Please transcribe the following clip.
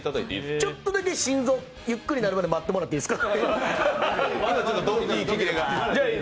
ちょっとだけ心臓、ゆっくりになるまで待っていただいていいですか。